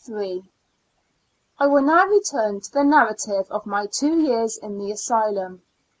I will now return to the narrative of my two years in the asylum.